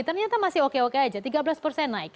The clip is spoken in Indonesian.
ternyata masih oke oke aja tiga belas persen naik